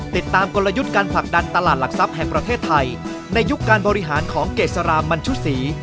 กลยุทธ์การผลักดันตลาดหลักทรัพย์แห่งประเทศไทยในยุคการบริหารของเกษรามันชุศรี